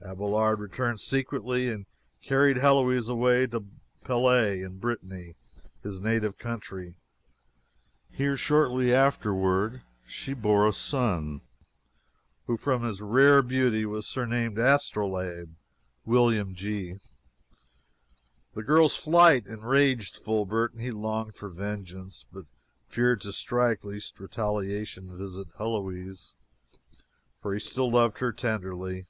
Abelard returned secretly and carried Heloise away to Palais, in Brittany, his native country. Here, shortly afterward, she bore a son, who, from his rare beauty, was surnamed Astrolabe William G. The girl's flight enraged Fulbert, and he longed for vengeance, but feared to strike lest retaliation visit Heloise for he still loved her tenderly.